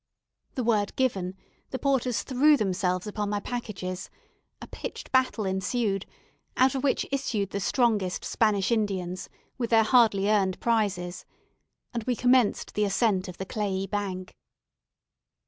The word given, the porters threw themselves upon my packages; a pitched battle ensued, out of which issued the strongest Spanish Indians, with their hardly earned prizes, and we commenced the ascent of the clayey bank.